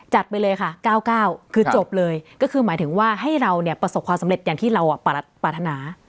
ไปเลยค่ะ๙๙คือจบเลยก็คือหมายถึงว่าให้เราเนี่ยประสบความสำเร็จอย่างที่เราปรารถนา